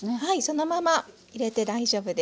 そのまま入れて大丈夫です。